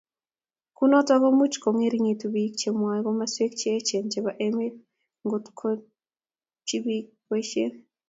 kunoto komuch kongeringitu biik chemwee komoswek cheechen chebo emet ngoyotyi biik boishet